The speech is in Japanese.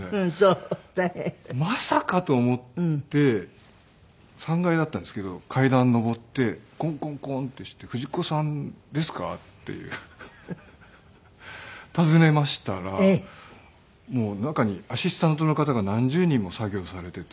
まさかと思って３階だったんですけど階段上ってコンコンコンッてして「藤子さんですか？」って尋ねましたら中にアシスタントの方が何十人も作業されていて。